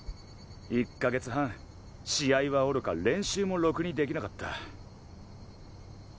１か月半試合はおろか練習もロクに出来なかった。